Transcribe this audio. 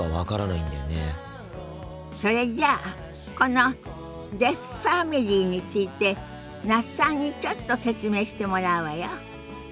それじゃあこのデフファミリーについて那須さんにちょっと説明してもらうわよ。